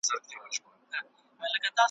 د زړو متونو تصحیح